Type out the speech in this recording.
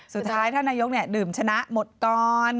สุดท้ายท่านนายกดื่มชนะหมดตอน